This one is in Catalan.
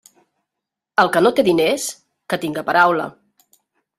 El que no té diners, que tinga paraula.